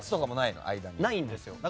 ないんですよ。